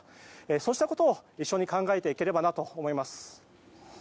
そうしたことを一緒に考えていければなと思います。